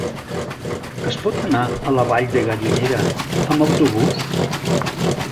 Es pot anar a la Vall de Gallinera amb autobús?